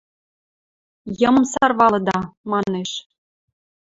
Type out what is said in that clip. Йымым сарвалыда, манеш.